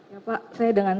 ya pak saya dengan